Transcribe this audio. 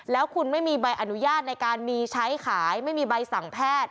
แล้วคุณไม่มีใบอนุญาตในการมีใช้ขายไม่มีใบสั่งแพทย์